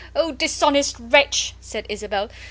O dishonest wretch!" said Isabel.